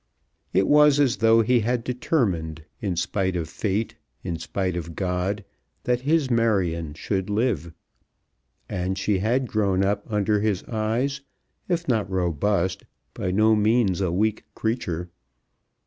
It was as though he had determined, in spite of Fate, in spite of God, that his Marion should live. And she had grown up under his eyes, if not robust, by no means a weak creature.